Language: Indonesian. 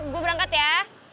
gue berangkat ya